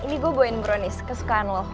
oh iya ini gue buahin brownies kesukaan lo